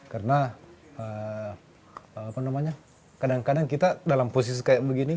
karena kadang kadang kita dalam posisi kayak begini